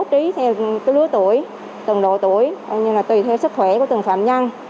để thực hiện trong cái nghề của mình